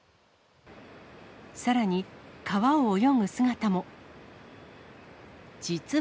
さらに、川を泳ぐ姿も。